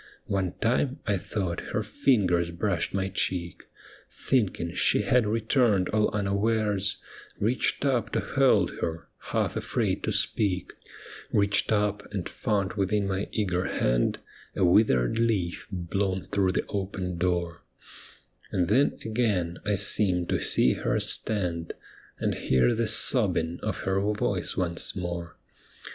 One time I thought her fingers brushed my cheek. Thinking she had returned all unawares, Reached up to hold her, half afraid to speak — Reached up, and found within my eager hand A withered leaf blown through the open door ; io6 ' THE ME WITHIN THEE BLIND !' And then again I seemed to see her stand, And hear the sobbing of her voice once more.